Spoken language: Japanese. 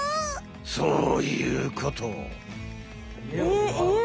そういうこと！